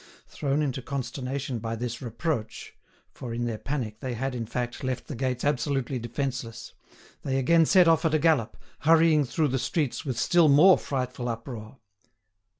Thrown into consternation by this reproach—for in their panic, they had, in fact, left the gates absolutely defenceless—they again set off at a gallop, hurrying through the streets with still more frightful uproar.